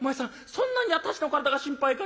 そんなに私の体が心配かい？」。